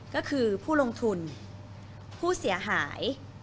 ก็คือผู้ลงทุนผู้เสียหาย